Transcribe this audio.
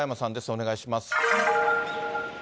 お願いします。